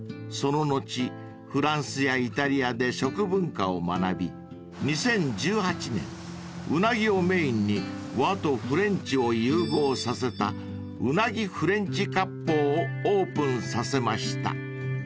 ［その後フランスやイタリアで食文化を学び２０１８年ウナギをメインに和とフレンチを融合させた鰻フレンチ割烹をオープンさせました］